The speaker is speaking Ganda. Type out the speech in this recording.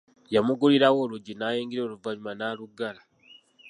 Yamugulirawo oluggi n'ayingira oluvanyuma n'aluggala.